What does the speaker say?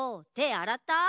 あらった？